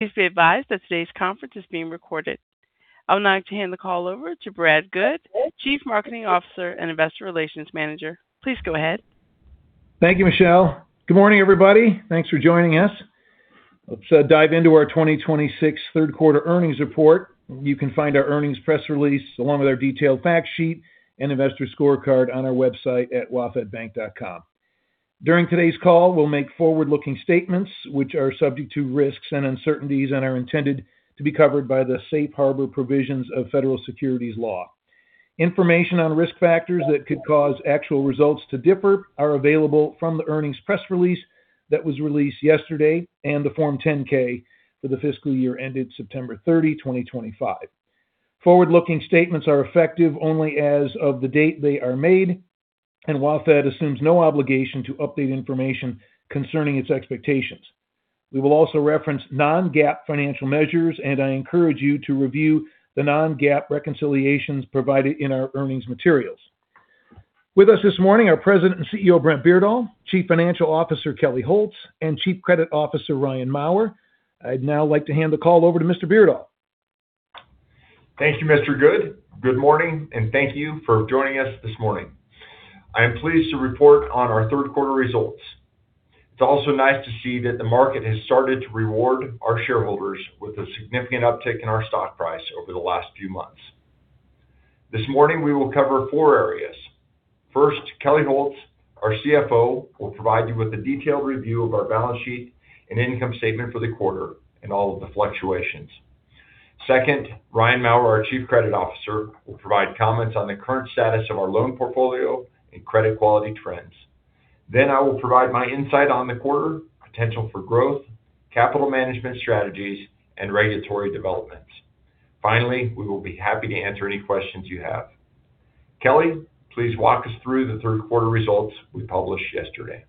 Please be advised that today's conference is being recorded. I would like to hand the call over to Brad Goode, Chief Marketing Officer and Investor Relations Manager. Please go ahead. Thank you, Michelle. Good morning, everybody. Thanks for joining us. Let's dive into our 2026 third quarter earnings report. You can find our earnings press release, along with our detailed fact sheet and investor scorecard on our website at wafdbank.com. During today's call, we will make forward-looking statements, which are subject to risks and uncertainties and are intended to be covered by the Safe Harbor Provisions of Federal Securities Law. Information on risk factors that could cause actual results to differ are available from the earnings press release that was released yesterday and the Form 10-K for the fiscal year ended September 30, 2025. Forward-looking statements are effective only as of the date they are made, WaFd assumes no obligation to update information concerning its expectations. We will also reference non-GAAP financial measures. I encourage you to review the non-GAAP reconciliations provided in our earnings materials. With us this morning are President and CEO, Brent Beardall, Chief Financial Officer, Kelli Holz, and Chief Credit Officer, Ryan Mauer. I'd now like to hand the call over to Mr. Beardall. Thank you, Mr. Goode. Good morning, and thank you for joining us this morning. I am pleased to report on our third quarter results. It's also nice to see that the market has started to reward our shareholders with a significant uptick in our stock price over the last few months. This morning, we will cover four areas. First, Kelli Holz, our CFO, will provide you with a detailed review of our balance sheet and income statement for the quarter and all of the fluctuations. Second, Ryan Mauer, our Chief Credit Officer, will provide comments on the current status of our loan portfolio and credit quality trends. I will provide my insight on the quarter, potential for growth, capital management strategies, and regulatory developments. Finally, we will be happy to answer any questions you have. Kelli, please walk us through the third quarter results we published yesterday.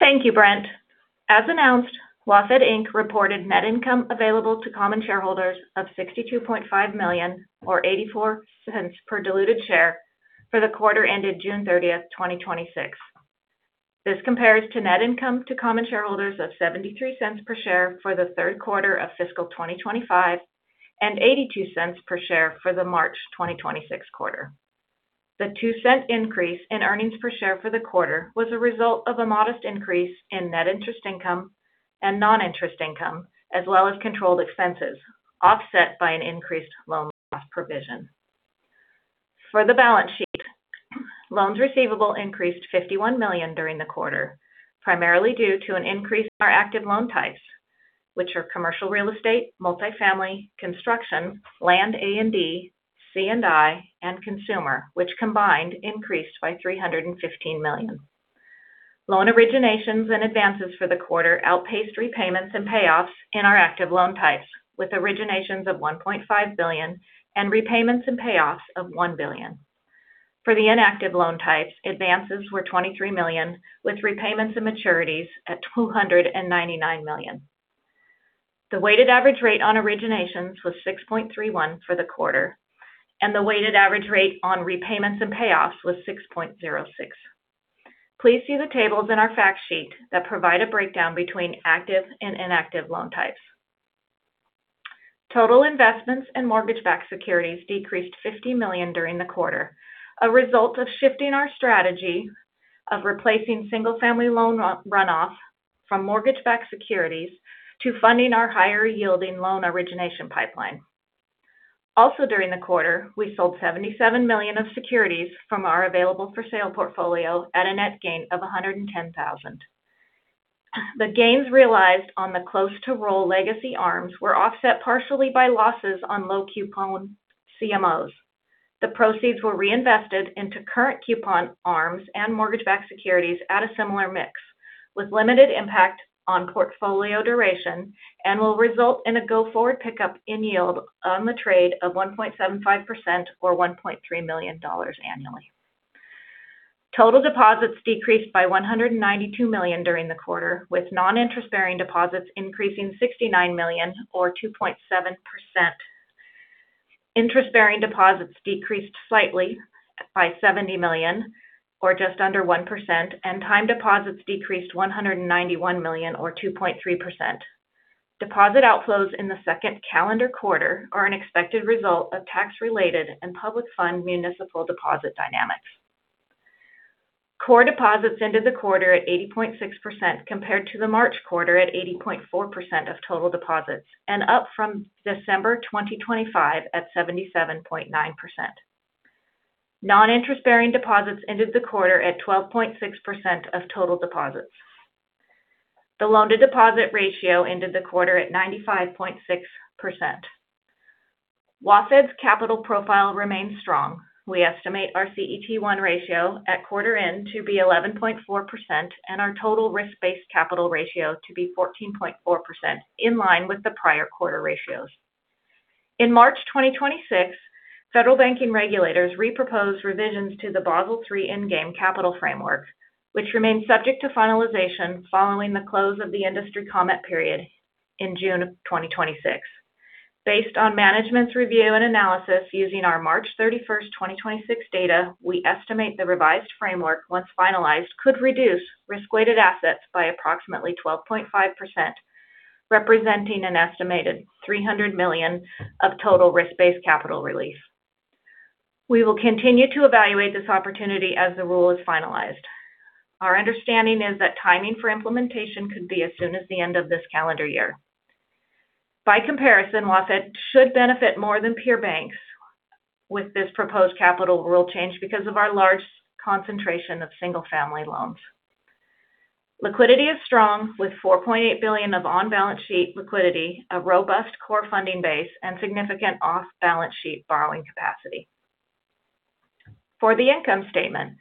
Thank you, Brent. As announced, WaFd Inc. reported net income available to common shareholders of $62.5 million or $0.84 per diluted share for the quarter ended June 30, 2026. This compares to net income to common shareholders of $0.73 per share for the third quarter of fiscal 2025 and $0.82 per share for the March 2026 quarter. The $0.02 increase in earnings per share for the quarter was a result of a modest increase in net interest income and non-interest income, as well as controlled expenses, offset by an increased loan loss provision. For the balance sheet, loans receivable increased $51 million during the quarter, primarily due to an increase in our active loan types, which are commercial real estate, multifamily, construction, land A&D, C&I, and consumer, which combined increased by $315 million. Loan originations and advances for the quarter outpaced repayments and payoffs in our active loan types, with originations of $1.5 billion and repayments and payoffs of $1 billion. For the inactive loan types, advances were $23 million, with repayments and maturities at $299 million. The weighted average rate on originations was 6.31% for the quarter, and the weighted average rate on repayments and payoffs was 6.06%. Please see the tables in our fact sheet that provide a breakdown between active and inactive loan types. Total investments and mortgage-backed securities decreased $50 million during the quarter, a result of shifting our strategy of replacing single-family loan runoff from mortgage-backed securities to funding our higher-yielding loan origination pipeline. Also during the quarter, we sold $77 million of securities from our available-for-sale portfolio at a net gain of $110,000. The gains realized on the cost to roll legacy ARMs were offset partially by losses on low coupon CMOs. The proceeds were reinvested into current coupon ARMs and mortgage-backed securities at a similar mix with limited impact on portfolio duration and will result in a go-forward pickup in yield on the trade of 1.75% or $1.3 million annually. Total deposits decreased by $192 million during the quarter, with non-interest-bearing deposits increasing $69 million or 2.7%. Interest-bearing deposits decreased slightly by $70 million or just under 1%, and time deposits decreased $191 million or 2.3%. Deposit outflows in the second calendar quarter are an expected result of tax-related and public fund municipal deposit dynamics. Core deposits ended the quarter at 80.6% compared to the March quarter at 80.4% of total deposits and up from December 2025 at 77.9%. Non-interest-bearing deposits ended the quarter at 12.6% of total deposits. The loan-to-deposit ratio ended the quarter at 95.6%. WaFd's capital profile remains strong. We estimate our CET1 ratio at quarter-end to be 11.4% and our total risk-based capital ratio to be 14.4%, in line with the prior quarter ratios. In March 2026, federal banking regulators reproposed revisions to the Basel III endgame capital framework, which remains subject to finalization following the close of the industry comment period in June 2026. Based on management's review and analysis using our March 31st, 2026 data, we estimate the revised framework, once finalized, could reduce risk-weighted assets by approximately 12.5%, representing an estimated $300 million of total risk-based capital relief. We will continue to evaluate this opportunity as the rule is finalized. Our understanding is that timing for implementation could be as soon as the end of this calendar year. By comparison, WaFd should benefit more than peer banks with this proposed capital rule change because of our large concentration of single-family loans. Liquidity is strong with $4.8 billion of on-balance sheet liquidity, a robust core funding base, and significant off-balance sheet borrowing capacity. For the income statement,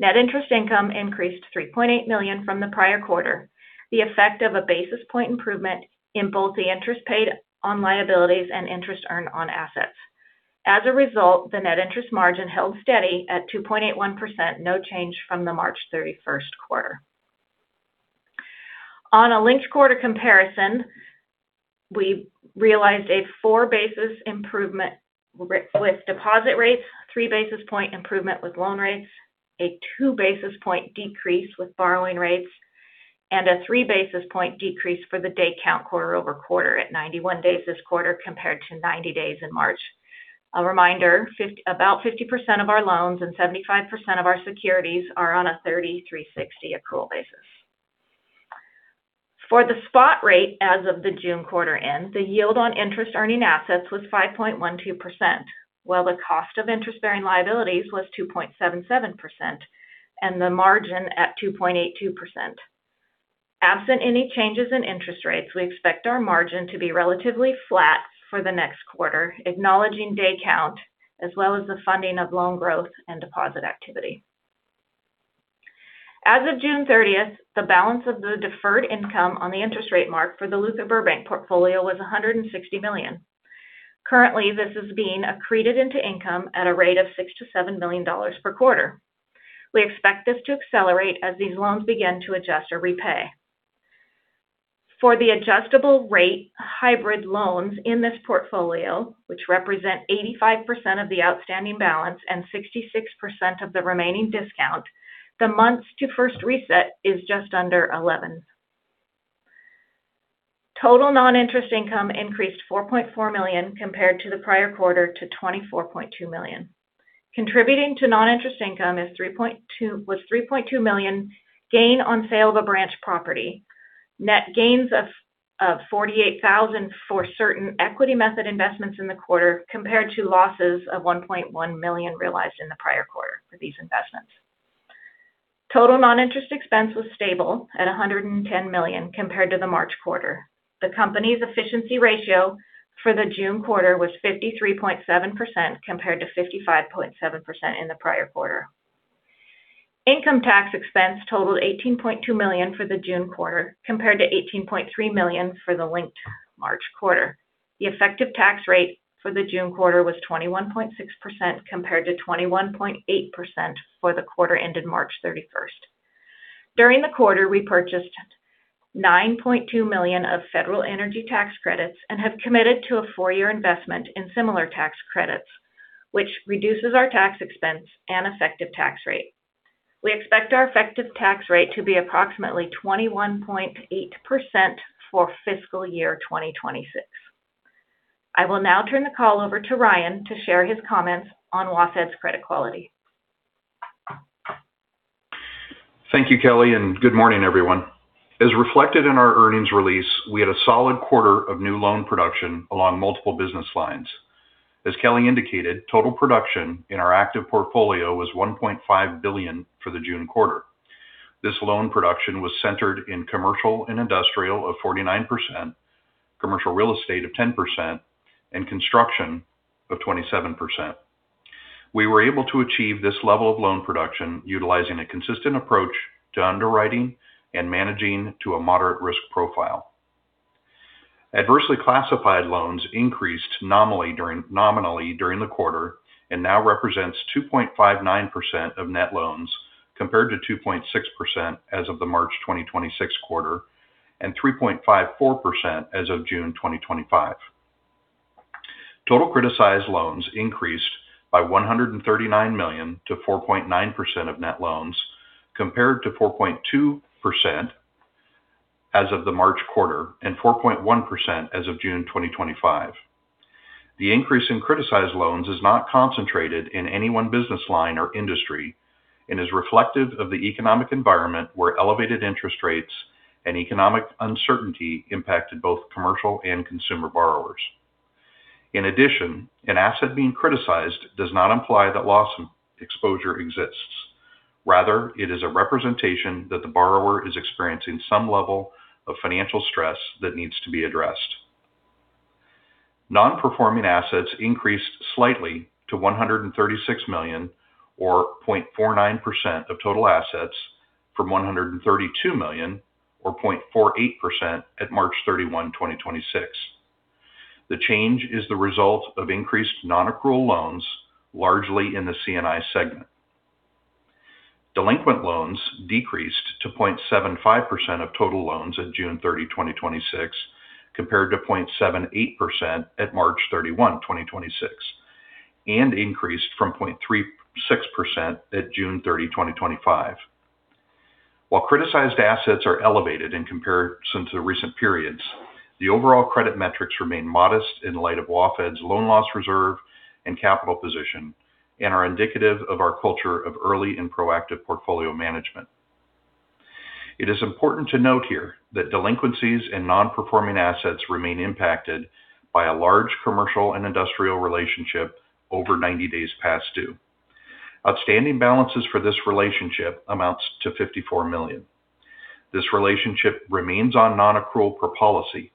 net interest income increased $3.8 million from the prior quarter, the effect of a basis point improvement in both the interest paid on liabilities and interest earned on assets. As a result, the net interest margin held steady at 2.81%, no change from the March 31st quarter. On a linked quarter comparison, we realized a 4 basis point improvement with deposit rates, 3 basis point improvement with loan rates, a 2 basis point decrease with borrowing rates, and a 3 basis point decrease for the day count quarter-over-quarter at 91 days this quarter, compared to 90 days in March. A reminder, about 50% of our loans and 75% of our securities are on a 30/360 accrual basis. For the spot rate as of the June quarter-end, the yield on interest-earning assets was 5.12%, while the cost of interest-bearing liabilities was 2.77%, and the margin at 2.82%. Absent any changes in interest rates, we expect our margin to be relatively flat for the next quarter, acknowledging day count as well as the funding of loan growth and deposit activity. As of June 30th, the balance of the deferred income on the interest rate mark for the Luther Burbank portfolio was $160 million. Currently, this is being accreted into income at a rate of $6 million-$7 million per quarter. We expect this to accelerate as these loans begin to adjust or repay. For the adjustable rate hybrid loans in this portfolio, which represent 85% of the outstanding balance and 66% of the remaining discount, the months to first reset is just under 11. Total non-interest income increased $4.4 million compared to the prior quarter to $24.2 million. Contributing to non-interest income was $3.2 million gain on sale of a branch property, net gains of $48,000 for certain equity method investments in the quarter, compared to losses of $1.1 million realized in the prior quarter for these investments. Total non-interest expense was stable at $110 million compared to the March quarter. The company's efficiency ratio for the June quarter was 53.7%, compared to 55.7% in the prior quarter. Income tax expense totaled $18.2 million for the June quarter, compared to $18.3 million for the linked March quarter. The effective tax rate for the June quarter was 21.6%, compared to 21.8% for the quarter ended March 31st. During the quarter, we purchased $9.2 million of federal energy tax credits and have committed to a four-year investment in similar tax credits, which reduces our tax expense and effective tax rate. We expect our effective tax rate to be approximately 21.8% for fiscal year 2026. I will now turn the call over to Ryan to share his comments on WaFd's credit quality. Thank you, Kelli, and good morning, everyone. As reflected in our earnings release, we had a solid quarter of new loan production along multiple business lines. As Kelli indicated, total production in our active portfolio was $1.5 billion for the June quarter. This loan production was centered in commercial and industrial of 49%, commercial real estate of 10%, and construction of 27%. We were able to achieve this level of loan production utilizing a consistent approach to underwriting and managing to a moderate risk profile. Adversely classified loans increased nominally during the quarter and now represents 2.59% of net loans, compared to 2.6% as of the March 2026 quarter and 3.54% as of June 2025. Total criticized loans increased by $139 million to 4.9% of net loans, compared to 4.2% as of the March quarter and 4.1% as of June 2025. The increase in criticized loans is not concentrated in any one business line or industry and is reflective of the economic environment where elevated interest rates and economic uncertainty impacted both commercial and consumer borrowers. In addition, an asset being criticized does not imply that loss exposure exists. Rather, it is a representation that the borrower is experiencing some level of financial stress that needs to be addressed. Non-performing assets increased slightly to $136 million, or 0.49% of total assets from $132 million or 0.48% at March 31, 2026. The change is the result of increased non-accrual loans, largely in the C&I segment. Delinquent loans decreased to 0.75% of total loans on June 30, 2026, compared to 0.78% at March 31, 2026, and increased from 0.36% at June 30, 2025. While criticized assets are elevated in comparison to recent periods, the overall credit metrics remain modest in light of WaFd's loan loss reserve and capital position and are indicative of our culture of early and proactive portfolio management. It is important to note here that delinquencies in non-performing assets remain impacted by a large commercial and industrial relationship over 90 days past due. Outstanding balances for this relationship amounts to $54 million. This relationship remains on non-accrual per policy.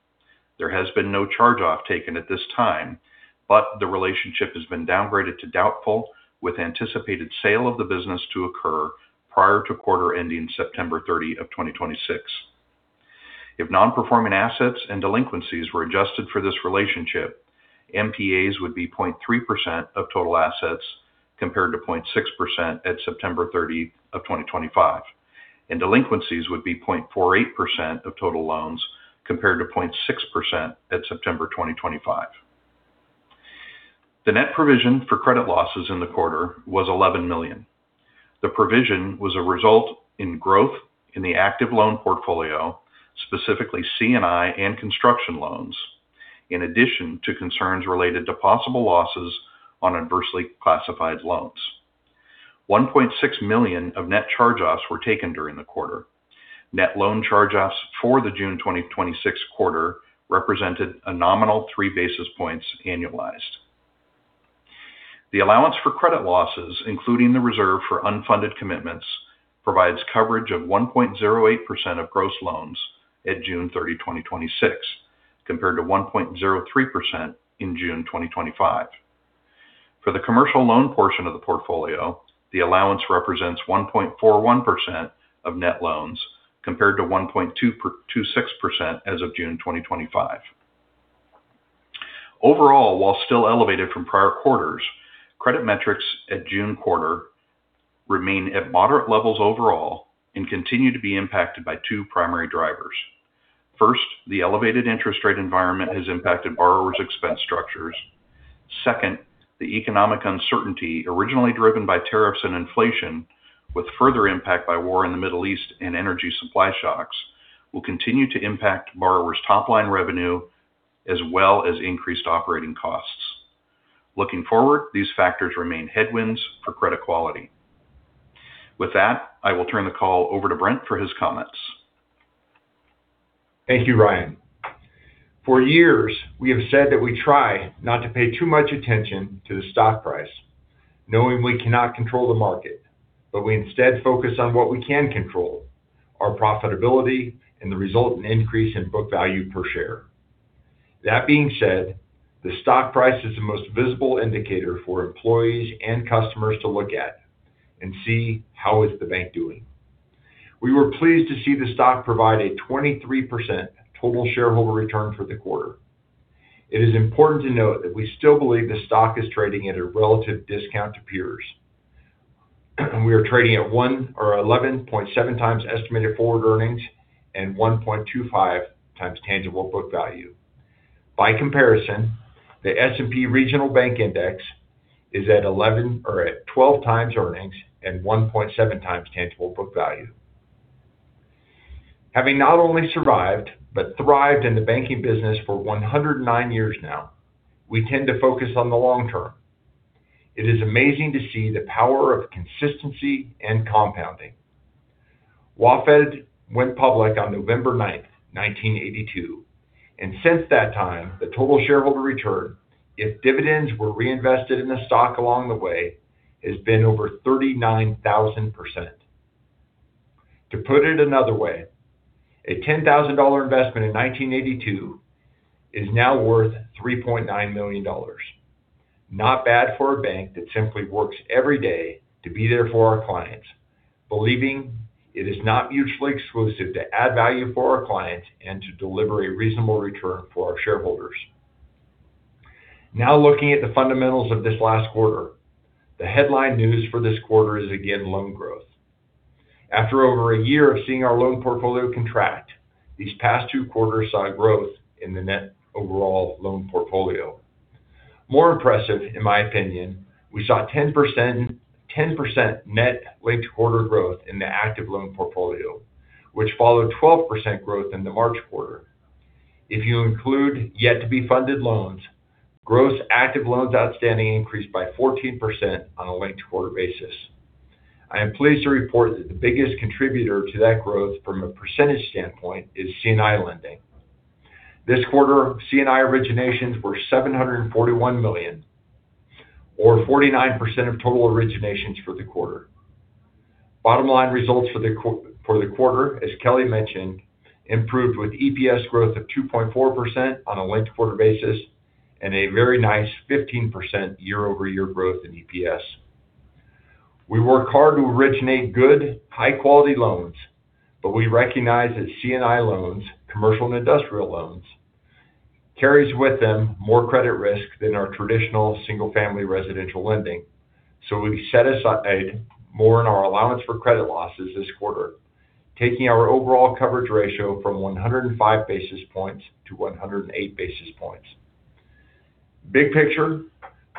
There has been no charge-off taken at this time, but the relationship has been downgraded to doubtful with anticipated sale of the business to occur prior to quarter ending September 30 of 2026. If non-performing assets and delinquencies were adjusted for this relationship, NPAs would be 0.3% of total assets compared to 0.6% at September 30, 2025, and delinquencies would be 0.48% of total loans, compared to 0.6% at September 2025. The net provision for credit losses in the quarter was $11 million. The provision was a result in growth in the active loan portfolio, specifically C&I and construction loans, in addition to concerns related to possible losses on adversely classified loans. $1.6 million of net charge-offs were taken during the quarter. Net loan charge-offs for the June 2026 quarter represented a nominal 3 basis points annualized. The allowance for credit losses, including the reserve for unfunded commitments, provides coverage of 1.08% of gross loans at June 30, 2026, compared to 1.03% in June 2025. For the commercial loan portion of the portfolio, the allowance represents 1.41% of net loans, compared to 1.26% as of June 2025. Overall, while still elevated from prior quarters, credit metrics at June quarter remain at moderate levels overall and continue to be impacted by two primary drivers. First, the elevated interest rate environment has impacted borrowers' expense structures. Second, the economic uncertainty originally driven by tariffs and inflation with further impact by war in the Middle East and energy supply shocks will continue to impact borrowers' top-line revenue as well as increased operating costs. Looking forward, these factors remain headwinds for credit quality. With that, I will turn the call over to Brent for his comments. Thank you, Ryan. For years, we have said that we try not to pay too much attention to the stock price, knowing we cannot control the market, but we instead focus on what we can control, our profitability and the resultant increase in book value per share. That being said, the stock price is the most visible indicator for employees and customers to look at and see how is the bank doing. We were pleased to see the stock provide a 23% total shareholder return for the quarter. It is important to note that we still believe the stock is trading at a relative discount to peers. We are trading at 11.7x estimated forward earnings and 1.25x tangible book value. By comparison, the S&P Regional Bank Index is at 12x earnings and 1.7x tangible book value. Having not only survived but thrived in the banking business for 109 years now, we tend to focus on the long term. It is amazing to see the power of consistency and compounding. WaFd went public on November 9, 1982, and since that time, the total shareholder return, if dividends were reinvested in the stock along the way, has been over 39,000%. To put it another way, a $10,000 investment in 1982 is now worth $3.9 million. Not bad for a bank that simply works every day to be there for our clients, believing it is not mutually exclusive to add value for our clients and to deliver a reasonable return for our shareholders. Now looking at the fundamentals of this last quarter, the headline news for this quarter is again loan growth. After over a year of seeing our loan portfolio contract, these past two quarters saw growth in the net overall loan portfolio. More impressive, in my opinion, we saw 10% net linked quarter growth in the active loan portfolio, which followed 12% growth in the March quarter. If you include yet to be funded loans, gross active loans outstanding increased by 14% on a linked quarter basis. I am pleased to report that the biggest contributor to that growth from a percentage standpoint is C&I lending. This quarter, C&I originations were $741 million or 49% of total originations for the quarter. Bottom-line results for the quarter, as Kelli mentioned, improved with EPS growth of 2.4% on a linked quarter basis and a very nice 15% year-over-year growth in EPS. We work hard to originate good, high-quality loans, but we recognize that C&I loans, commercial and industrial loans carries with them more credit risk than our traditional single-family residential lending. We set aside more in our allowance for credit losses this quarter, taking our overall coverage ratio from 105 basis points to 108 basis points. Big picture,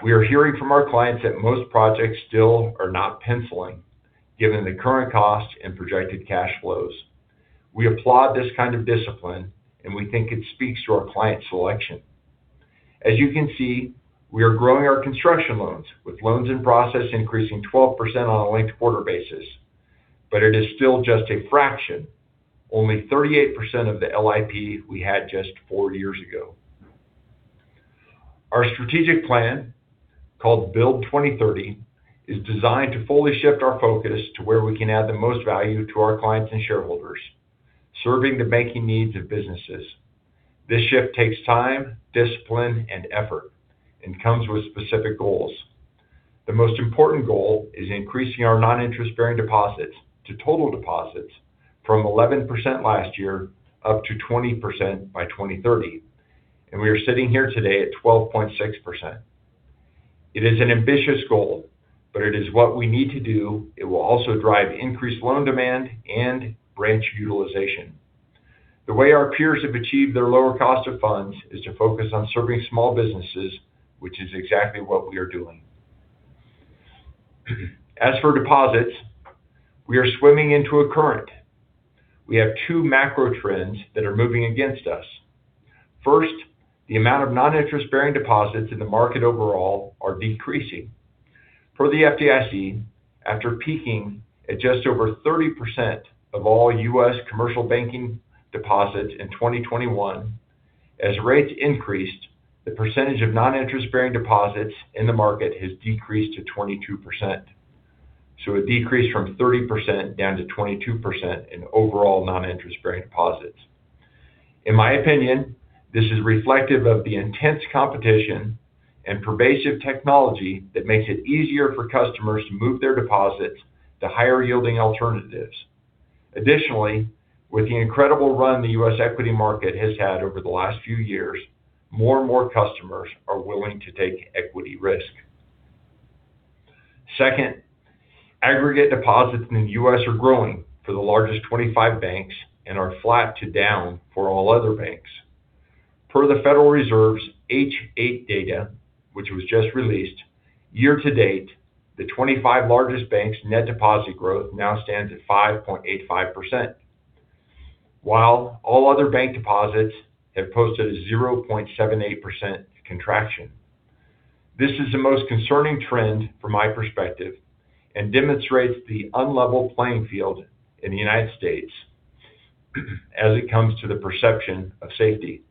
we are hearing from our clients that most projects still are not penciling, given the current cost and projected cash flows. We applaud this kind of discipline, and we think it speaks to our client selection. As you can see, we are growing our construction loans, with loans in process increasing 12% on a linked-quarter basis. It is still just a fraction, only 38% of the LIP we had just four years ago. Our strategic plan, called Build 2030, is designed to fully shift our focus to where we can add the most value to our clients and shareholders, serving the banking needs of businesses. This shift takes time, discipline, and effort and comes with specific goals. The most important goal is increasing our non-interest-bearing deposits to total deposits from 11% last year up to 20% by 2030, and we are sitting here today at 12.6%. It is an ambitious goal, but it is what we need to do. It will also drive increased loan demand and branch utilization. The way our peers have achieved their lower cost of funds is to focus on serving small businesses, which is exactly what we are doing. For deposits, we are swimming into a current. We have two macro trends that are moving against us. First, the amount of non-interest-bearing deposits in the market overall are decreasing. Per the FDIC, after peaking at just over 30% of all U.S. commercial banking deposits in 2021, as rates increased, the percentage of non-interest-bearing deposits in the market has decreased to 22%. A decrease from 30% down to 22% in overall non-interest-bearing deposits. In my opinion, this is reflective of the intense competition and pervasive technology that makes it easier for customers to move their deposits to higher-yielding alternatives. Additionally, with the incredible run the U.S. equity market has had over the last few years, more and more customers are willing to take equity risk. Second, aggregate deposits in the U.S. are growing for the largest 25 banks and are flat-to-down for all other banks. Per the Federal Reserve's H.8 data, which was just released, year to date, the 25 largest banks' net deposit growth now stands at 5.85%, while all other bank deposits have posted a 0.78% contraction. This is the most concerning trend from my perspective and demonstrates the unlevel playing field in the United States as it comes to the perception of safety.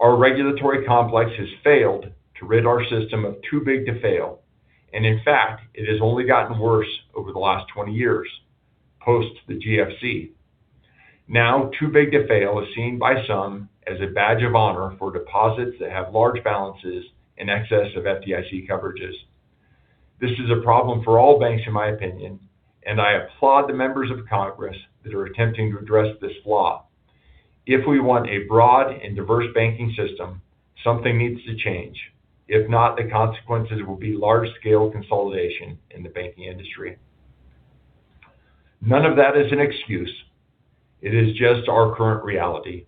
Our regulatory complex has failed to rid our system of too-big-to-fail, and in fact, it has only gotten worse over the last 20 years post the GFC. Now, too-big-to-fail is seen by some as a badge of honor for deposits that have large balances in excess of FDIC coverages. This is a problem for all banks, in my opinion, and I applaud the members of Congress that are attempting to address this flaw. If we want a broad and diverse banking system, something needs to change. If not, the consequences will be large-scale consolidation in the banking industry. None of that is an excuse. It is just our current reality.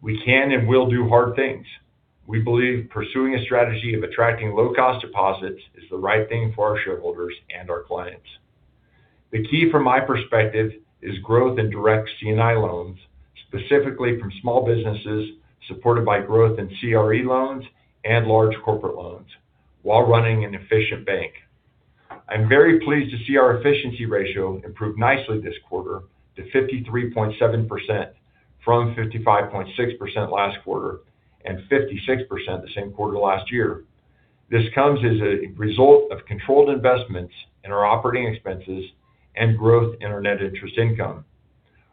We can and will do hard things. We believe pursuing a strategy of attracting low-cost deposits is the right thing for our shareholders and our clients. The key from my perspective is growth in direct C&I loans, specifically from small businesses supported by growth in CRE loans and large corporate loans while running an efficient bank. I'm very pleased to see our efficiency ratio improve nicely this quarter to 53.7% from 55.6% last quarter and 56% the same quarter last year. This comes as a result of controlled investments in our operating expenses and growth in our net interest income.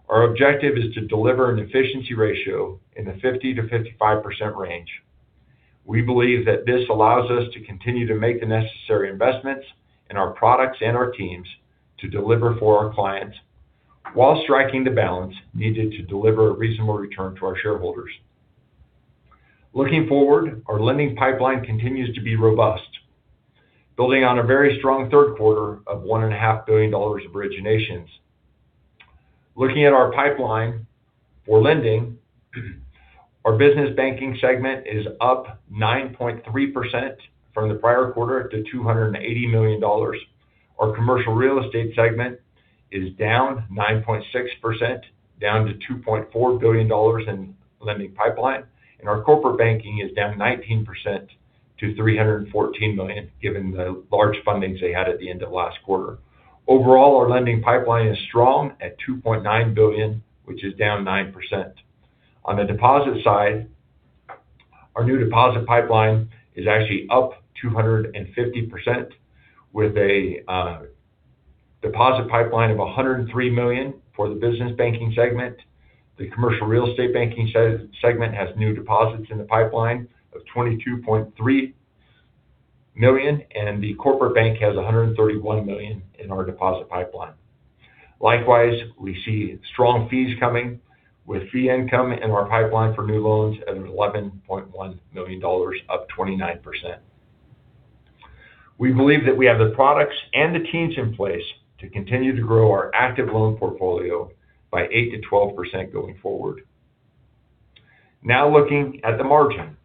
Our objective is to deliver an efficiency ratio in the 50%-55% range. We believe that this allows us to continue to make the necessary investments in our products and our teams to deliver for our clients while striking the balance needed to deliver a reasonable return to our shareholders. Looking forward, our lending pipeline continues to be robust, building on a very strong third quarter of $1.5 billion of originations. Looking at our pipeline for lending, our Business Banking segment is up 9.3% from the prior quarter to $280 million. Our Commercial Real Estate segment is down 9.6%, down to $2.4 billion in lending pipeline. Our Corporate Banking is down 19% to $314 million, given the large fundings they had at the end of last quarter. Overall, our lending pipeline is strong at $2.9 billion, which is down 9%. On the deposit side, our new deposit pipeline is actually up 250% with a deposit pipeline of $103 million for the Business Banking segment. The Commercial Real Estate Banking segment has new deposits in the pipeline of $22.3 million, and the Corporate Bank has $131 million in our deposit pipeline. Likewise, we see strong fees coming with fee income in our pipeline for new loans at $11.1 million, up 29%. We believe that we have the products and the teams in place to continue to grow our active loan portfolio by 8%-12% going forward. Now looking at the margin.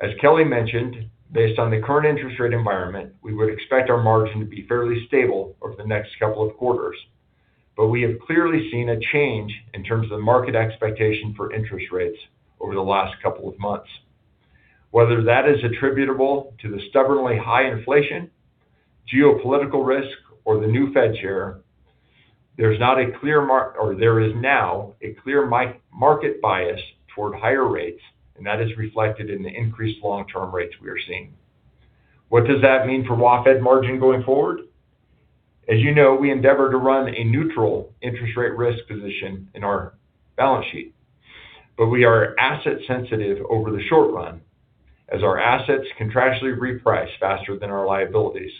As Kelli mentioned, based on the current interest rate environment, we would expect our margin to be fairly stable over the next couple of quarters. We have clearly seen a change in terms of the market expectation for interest rates over the last couple of months. Whether that is attributable to the stubbornly high inflation, geopolitical risk, or the new Fed chair, there is now a clear market bias toward higher rates, and that is reflected in the increased long-term rates we are seeing. What does that mean for WaFd margin going forward? As you know, we endeavor to run a neutral interest rate risk position in our balance sheet, but we are asset sensitive over the short run as our assets contractually reprice faster than our liabilities.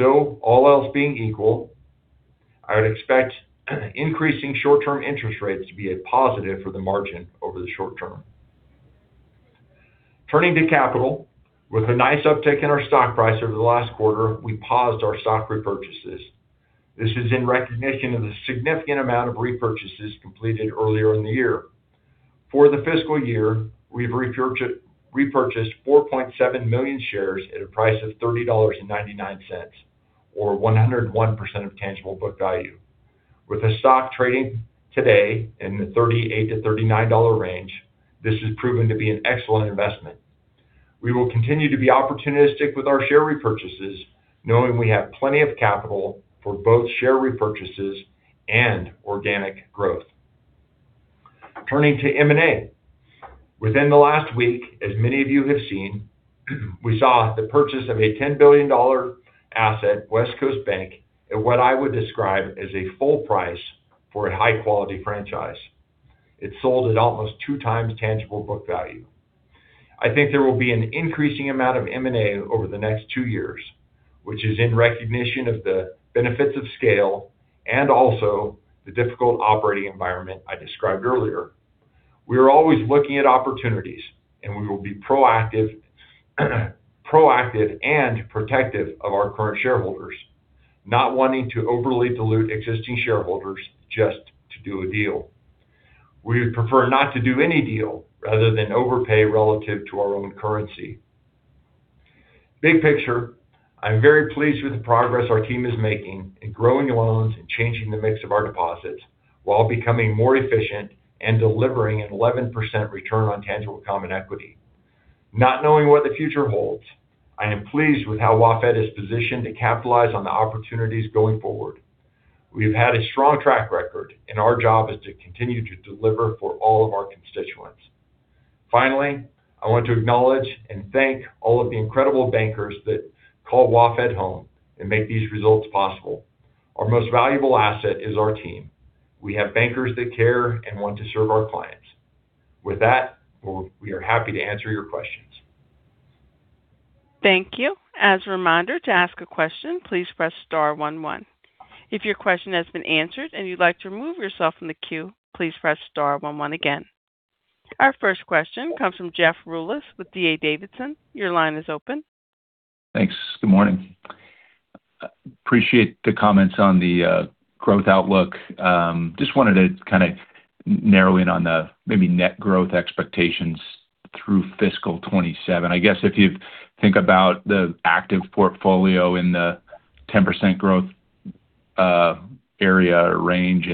All else being equal, I would expect increasing short-term interest rates to be a positive for the margin over the short-term. Turning to capital. With a nice uptick in our stock price over the last quarter, we paused our stock repurchases. This is in recognition of the significant amount of repurchases completed earlier in the year. For the fiscal year, we've repurchased 4.7 million shares at a price of $30.99, or 101% of tangible book value. With the stock trading today in the $38-$39 range, this has proven to be an excellent investment. We will continue to be opportunistic with our share repurchases, knowing we have plenty of capital for both share repurchases and organic growth. Turning to M&A. Within the last week, as many of you have seen, we saw the purchase of a $10 billion asset, West Coast Bank, at what I would describe as a full price for a high-quality franchise. It sold at almost 2x tangible book value. I think there will be an increasing amount of M&A over the next two years, which is in recognition of the benefits of scale and also the difficult operating environment I described earlier. We are always looking at opportunities. We will be proactive and protective of our current shareholders, not wanting to overly dilute existing shareholders just to do a deal. We would prefer not to do any deal rather than overpay relative to our own currency. Big picture, I'm very pleased with the progress our team is making in growing loans and changing the mix of our deposits while becoming more efficient and delivering an 11% return on tangible common equity. Not knowing what the future holds, I am pleased with how WaFd is positioned to capitalize on the opportunities going forward. We've had a strong track record. Our job is to continue to deliver for all of our constituents. Finally, I want to acknowledge and thank all of the incredible bankers that call WaFd home and make these results possible. Our most valuable asset is our team. We have bankers that care and want to serve our clients. With that, we are happy to answer your questions. Thank you. As a reminder, to ask a question, please press star one one. If your question has been answered and you'd like to remove yourself from the queue, please press star one one again. Our first question comes from Jeff Rulis with D.A. Davidson. Your line is open. Thanks. Good morning. Appreciate the comments on the growth outlook. Just wanted to kind of narrow in on the maybe net growth expectations through fiscal 2027. I guess if you think about the active portfolio in the 10% growth area or range,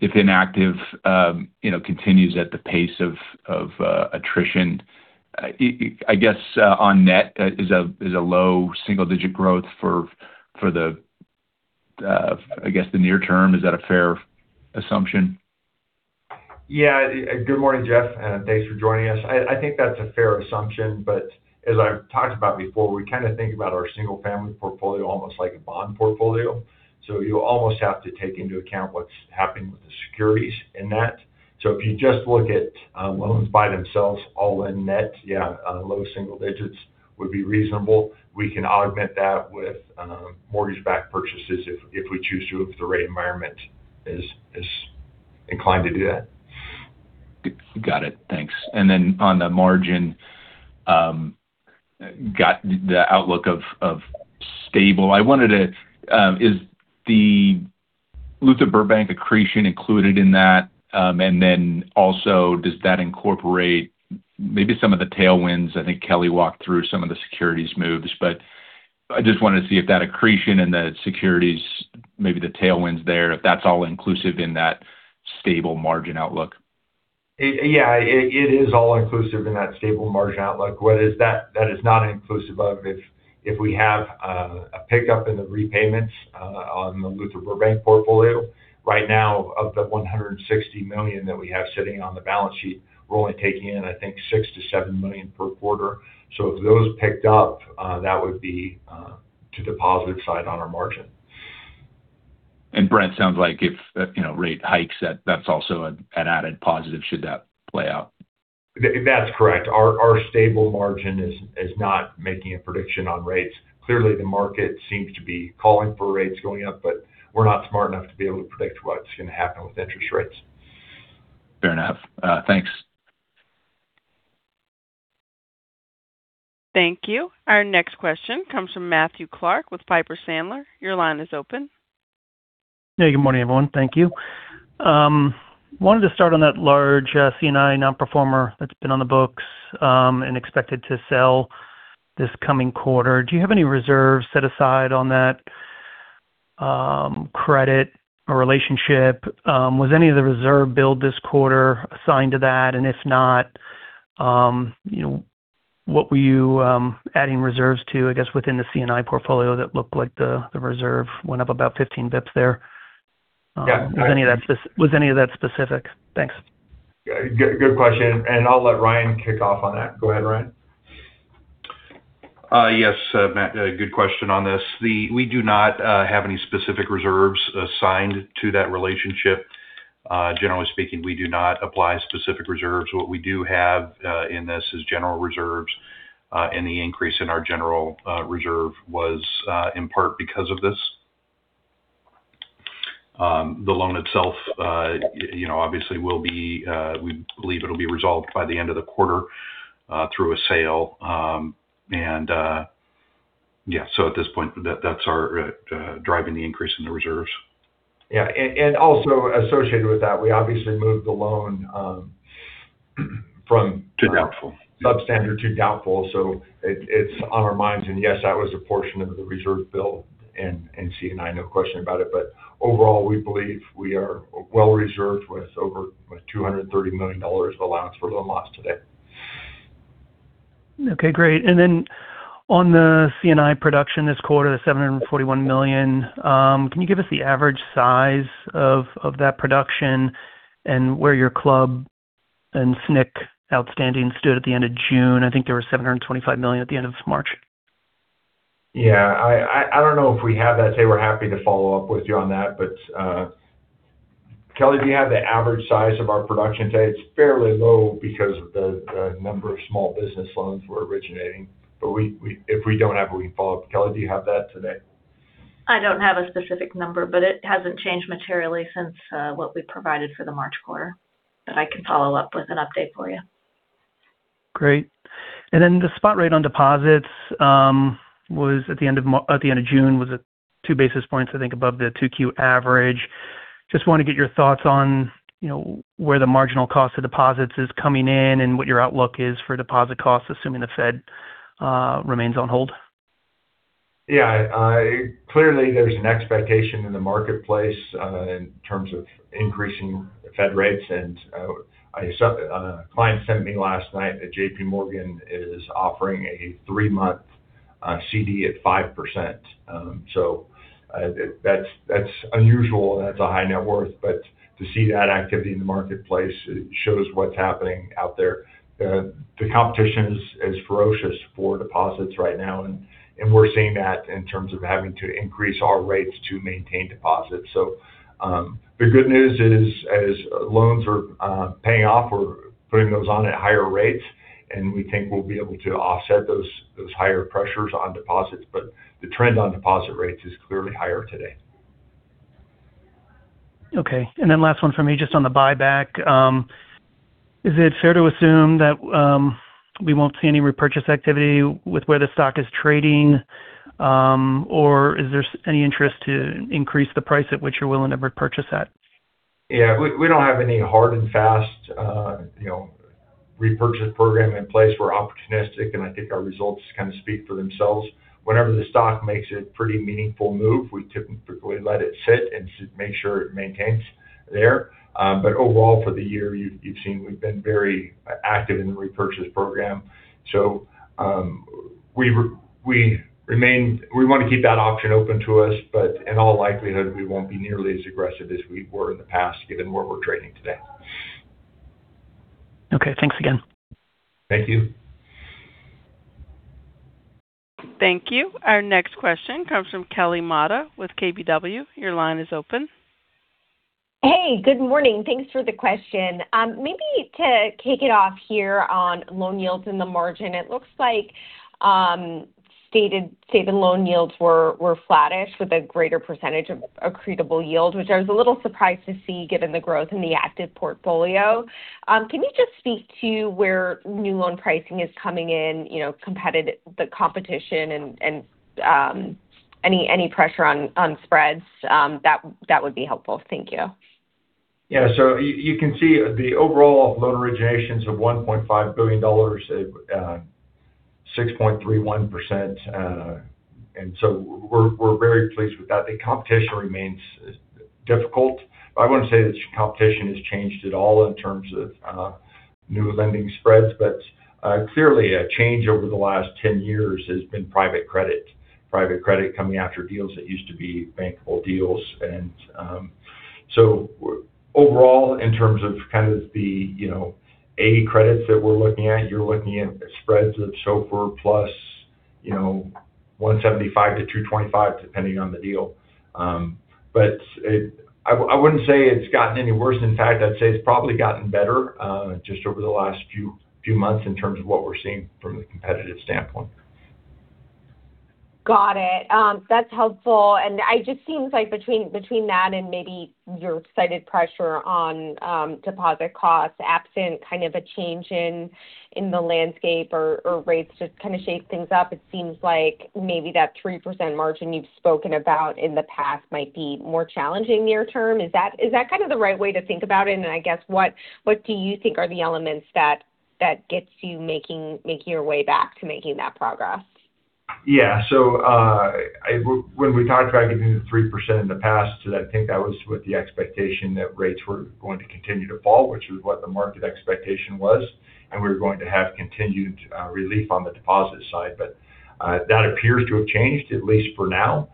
if inactive continues at the pace of attrition, I guess on net is a low single-digit growth for the near term. Is that a fair assumption? Good morning, Jeff, and thanks for joining us. I think that's a fair assumption, as I've talked about before, we kind of think about our single-family portfolio almost like a bond portfolio. You almost have to take into account what's happening with the securities in that. If you just look at loans by themselves all in net, low-single digits would be reasonable. We can augment that with mortgage-backed purchases if we choose to, if the rate environment is inclined to do that. Got it. Thanks. On the margin, got the outlook of stable. Is the Luther Burbank accretion included in that? Also, does that incorporate maybe some of the tailwinds? I think Kelli walked through some of the securities moves, I just wanted to see if that accretion and the securities, maybe the tailwinds there, if that's all inclusive in that stable margin outlook. Yeah. It is all inclusive in that stable margin outlook. What is that? That is not inclusive of if we have a pickup in the repayments on the Luther Burbank portfolio. Right now, of the $160 million that we have sitting on the balance sheet, we're only taking in, I think, $6 million-$7 million per quarter. If those picked up, that would be to the positive side on our margin. Brent, sounds like if rate hikes, that's also an added positive should that play out. That's correct. Our stable margin is not making a prediction on rates. Clearly, the market seems to be calling for rates going up, but we're not smart enough to be able to predict what's going to happen with interest rates. Fair enough. Thanks. Thank you. Our next question comes from Matthew Clark with Piper Sandler. Your line is open. Hey, good morning, everyone. Thank you. Wanted to start on that large C&I non-performer that's been on the books and expected to sell this coming quarter. Do you have any reserves set aside on that credit or relationship? Was any of the reserve build this quarter assigned to that? If not, what were you adding reserves to, I guess, within the C&I portfolio that looked like the reserve went up about 15 basis points there? Yeah. Was any of that specific? Thanks. Good question. I'll let Ryan kick off on that. Go ahead, Ryan. Yes, Matt, good question on this. We do not have any specific reserves assigned to that relationship. Generally speaking, we do not apply specific reserves. What we do have in this is general reserves. Any increase in our general reserve was in part because of this. The loan itself obviously we believe it'll be resolved by the end of the quarter through a sale. Yeah. At this point, that's driving the increase in the reserves. Yeah. Also associated with that, we obviously moved the loan from To doubtful substandard to doubtful. It's on our minds. Yes, that was a portion of the reserve build in C&I, no question about it. Overall, we believe we are well reserved with over $230 million of allowance for loan loss today. Okay, great. On the C&I production this quarter, the $741 million, can you give us the average size of that production and where your club and SNC outstanding stood at the end of June? I think there was $725 million at the end of March. Yeah. I don't know if we have that today. We're happy to follow up with you on that. Kelli, do you have the average size of our production today? It's fairly low because of the number of small business loans we're originating. If we don't have it, we can follow up. Kelli, do you have that today? I don't have a specific number, it hasn't changed materially since what we provided for the March quarter. I can follow up with an update for you. Great. The spot rate on deposits at the end of June was at 2 basis points, I think, above the 2Q average. Just want to get your thoughts on where the marginal cost of deposits is coming in and what your outlook is for deposit costs, assuming the Fed remains on hold. Yeah. Clearly, there is an expectation in the marketplace in terms of increasing Fed rates. A client sent me last night that JPMorgan is offering a three-month CD at 5%. That is unusual, and that is a high net worth. To see that activity in the marketplace, it shows what is happening out there. The competition is ferocious for deposits right now, and we are seeing that in terms of having to increase our rates to maintain deposits. The good news is as loans are paying off or putting those on at higher rates, and we think we will be able to offset those higher pressures on deposits. The trend on deposit rates is clearly higher today. Okay. Last one from me, just on the buyback. Is it fair to assume that we will not see any repurchase activity with where the stock is trading? Or is there any interest to increase the price at which you are willing to repurchase at? Yeah. We do not have any hard and fast repurchase program in place. We are opportunistic, and I think our results kind of speak for themselves. Whenever the stock makes a pretty meaningful move, we typically let it sit and make sure it maintains there. Overall, for the year, you have seen we have been very active in the repurchase program. We want to keep that option open to us. In all likelihood, we will not be nearly as aggressive as we were in the past, given where we are trading today. Okay. Thanks again. Thank you. Thank you. Our next question comes from Kelly Motta with KBW. Your line is open. Hey, good morning. Thanks for the question. Maybe to kick it off here on loan yields in the margin. It looks like stated loan yields were flattish with a greater percentage of accretable yield, which I was a little surprised to see given the growth in the active portfolio. Can you just speak to where new loan pricing is coming in, the competition, and any pressure on spreads? That would be helpful. Thank you. Yeah. You can see the overall loan originations of $1.5 billion at 6.31%. We're very pleased with that. The competition remains difficult. I wouldn't say that competition has changed at all in terms of new lending spreads. Clearly, a change over the last 10 years has been private credit. Private credit coming after deals that used to be bankable deals. Overall, in terms of the A-credits that we're looking at, you're looking at spreads of SOFR plus 175 basis points to 225 basis points, depending on the deal. I wouldn't say it's gotten any worse. In fact, I'd say it's probably gotten better just over the last few months in terms of what we're seeing from the competitive standpoint. Got it. That's helpful. It just seems like between that and maybe your cited pressure on deposit costs, absent a change in the landscape or rates to shape things up, it seems like maybe that 3% margin you've spoken about in the past might be more challenging near-term. Is that the right way to think about it? I guess, what do you think are the elements that gets you making your way back to making that progress? Yeah. When we contracted the 3% in the past, I think that was with the expectation that rates were going to continue to fall, which was what the market expectation was, and we were going to have continued relief on the deposit side. That appears to have changed, at least for now.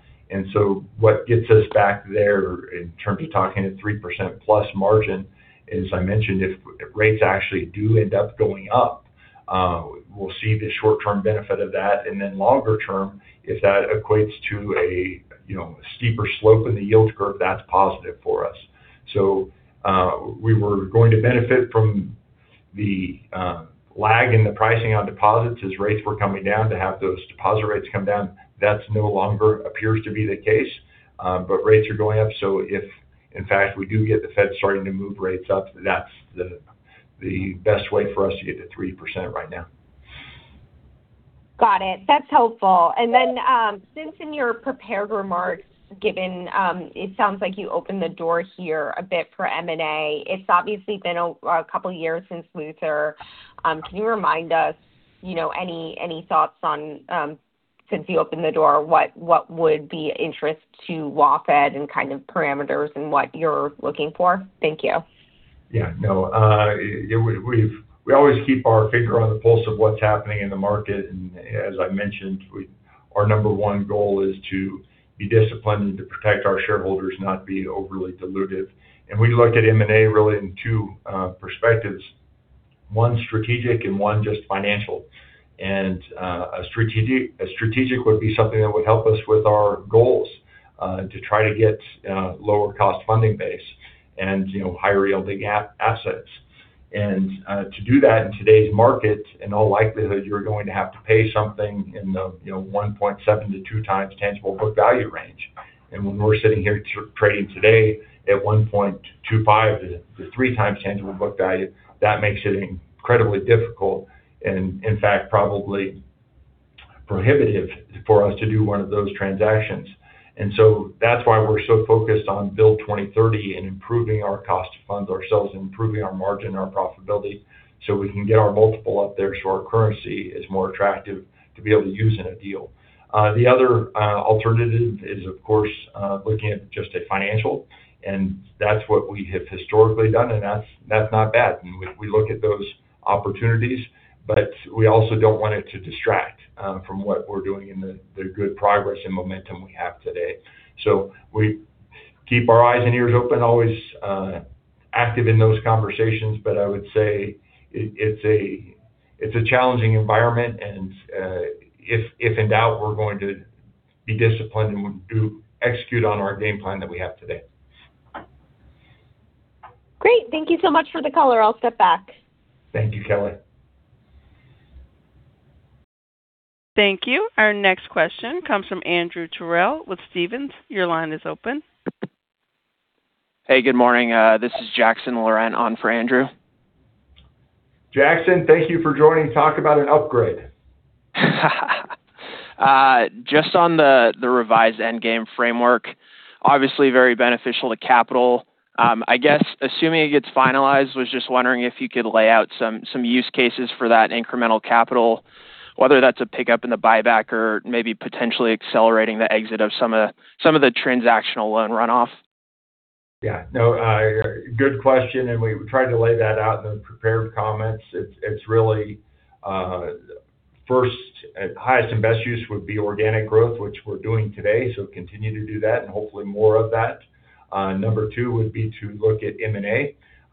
What gets us back there in terms of talking a 3%+ margin is, I mentioned if rates actually do end up going up, we'll see the short-term benefit of that, and then longer-term, if that equates to a steeper slope in the yield curve, that's positive for us. We were going to benefit from the lag in the pricing on deposits as rates were coming down to have those deposit rates come down. That no longer appears to be the case. Rates are going up, if, in fact, we do get the Fed starting to move rates up, that's the best way for us to get to 3% right now. Got it. That's helpful. Since in your prepared remarks given, it sounds like you opened the door here a bit for M&A. It's obviously been a couple of years since Luther. Can you remind us any thoughts on, since you opened the door, what would be of interest to WaFd and kind of parameters and what you're looking for? Thank you. Yeah, no. We always keep our finger on the pulse of what's happening in the market. As I mentioned, our number one goal is to be disciplined and to protect our shareholders, not be overly dilutive. We looked at M&A really in two perspectives, one strategic and one just financial. A strategic would be something that would help us with our goals to try to get lower cost funding base and higher-yielding assets. To do that in today's market, in all likelihood, you're going to have to pay something in the 1.7x to 2x tangible book value range. When we're sitting here trading today at 1.25x to 3x tangible book value, that makes it incredibly difficult and, in fact, probably prohibitive for us to do one of those transactions. That's why we're so focused on Build 2030 and improving our cost of funds ourselves and improving our margin and our profitability so we can get our multiple up there so our currency is more attractive to be able to use in a deal. The other alternative is, of course, looking at just a financial, and that's what we have historically done, and that's not bad. We look at those opportunities, but we also don't want it to distract from what we're doing and the good progress and momentum we have today. We keep our eyes and ears open, always active in those conversations. I would say it's a challenging environment and if in doubt, we're going to be disciplined and execute on our game plan that we have today. Great. Thank you so much for the color. I'll step back. Thank you, Kelly. Thank you. Our next question comes from Andrew Terrell with Stephens. Your line is open. Hey, good morning. This is Jackson Laurent on for Andrew. Jackson, thank you for joining. Talk about an upgrade. Just on the revised endgame framework. Obviously very beneficial to capital. I guess assuming it gets finalized, was just wondering if you could lay out some use cases for that incremental capital, whether that's a pickup in the buyback or maybe potentially accelerating the exit of some of the transactional loan runoff. Yeah. No, good question. We tried to lay that out in the prepared comments. It's really first, highest and best use would be organic growth, which we're doing today. Continue to do that and hopefully more of that. Number two would be to look at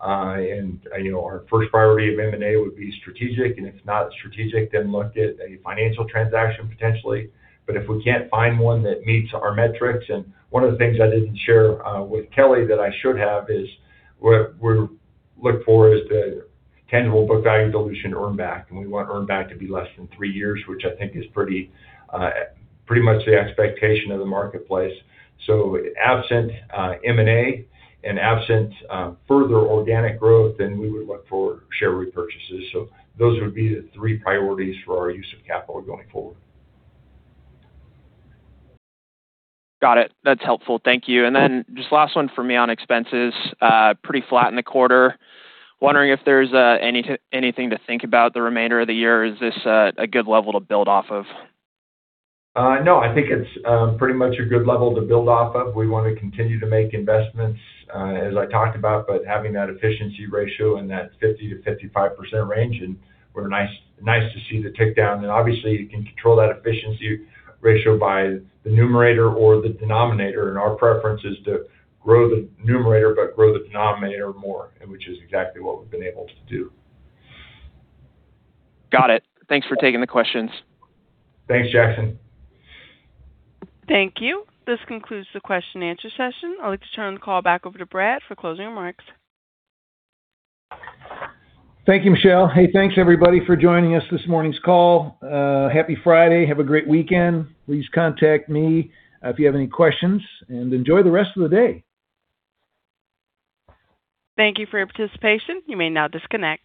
M&A. Our first priority of M&A would be strategic, and if not strategic, then look at a financial transaction potentially. If we can't find one that meets our metrics. One of the things I didn't share with Kelly that I should have is what we look for is the tangible book value dilution earn back, and we want earn back to be less than three years, which I think is pretty much the expectation of the marketplace. Absent M&A and absent further organic growth, we would look for share repurchases. Those would be the three priorities for our use of capital going forward. Got it. That's helpful. Thank you. Just last one for me on expenses. Pretty flat in the quarter. Wondering if there's anything to think about the remainder of the year or is this a good level to build off of? No, I think it's pretty much a good level to build off of. We want to continue to make investments as I talked about, but having that efficiency ratio in that 50%-55% range and nice to see the tick down. Obviously, you can control that efficiency ratio by the numerator or the denominator. Our preference is to grow the numerator but grow the denominator more, which is exactly what we've been able to do. Got it. Thanks for taking the questions. Thanks, Jackson. Thank you. This concludes the question-and-answer session. I'd like to turn the call back over to Brad for closing remarks. Thank you, Michelle. Hey, thanks, everybody, for joining us this morning's call. Happy Friday. Have a great weekend. Please contact me if you have any questions. Enjoy the rest of the day. Thank you for your participation. You may now disconnect.